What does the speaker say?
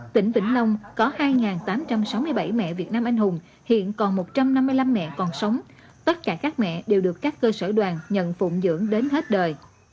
tỉnh vĩnh long có hai tám trăm sáu mươi bảy mẹ việt nam anh hùng hiện còn một trăm năm mươi năm mẹ còn sống tất cả các mẹ đều được các cơ sở đoàn nhận phụng dưỡng đến hết đời